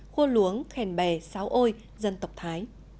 khô luống khèn bè sáo ôi dân tộc thái